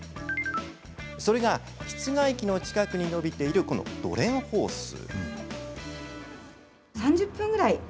それが室外機の近くに伸びているこのドレンホース。